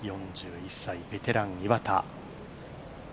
４１歳ベテラン・岩田。